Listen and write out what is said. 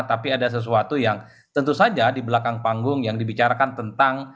tapi ada sesuatu yang tentu saja di belakang panggung yang dibicarakan tentang